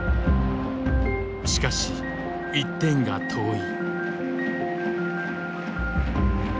しかし１点が遠い。